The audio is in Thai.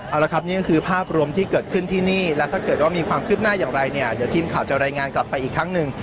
เอาละครับนี่ก็คือภาพรวมที่เกิดขึ้นที่นี่แล้วถ้าเกิดว่ามีความคืบหน้าอย่างไรเนี่ยเดี๋ยวทีมข่าวจะรายงานกลับไปอีกครั้งหนึ่ง